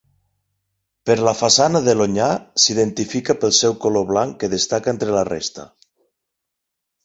Per la façana de l'Onyar s'identifica pel seu color blanc, que destaca entre la resta.